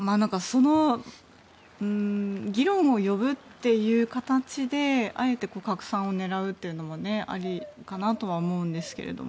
その議論を呼ぶという形であえて拡散を狙うというのもあり得るかなとは思いますが。